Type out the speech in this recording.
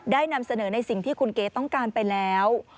นำเสนอในสิ่งที่คุณเก๋ต้องการไปแล้ว